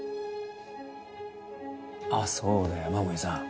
あっそうだ山守さん。